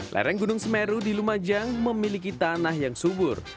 lereng gunung semeru di lumajang memiliki tanah yang subur